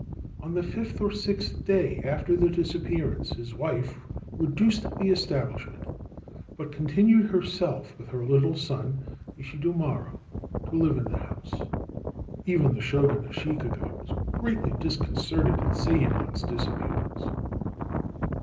On the fifth or sixth day after the disappearance his wife reduced the establishment, but continued herself, with her little son Ishidomaro, to live in the house. Even the Shogun Ashikaga was greatly disconcerted at Sayemon's disappearance.